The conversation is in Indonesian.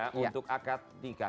untuk akad nikah